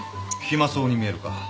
暇そうに見えるか？